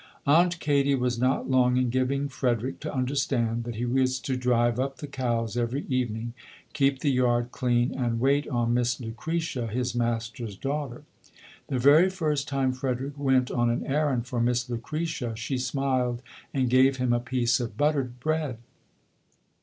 Aunt Katie was not long in giving Frederick to understand that he was to drive up the cows every evening, keep the yard clean, and wait on Miss Lucretia, his master's daughter. The very first time Frederick went on an errand for Miss 18 ] UNSUNG HEROES Lucretia she smiled and gave him a piece of but tered bread.